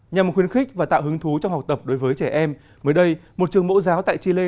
nhằm khuyến khích và tạo hứng thú trong học tập đối với trẻ em mới đây một trường mẫu giáo tại chile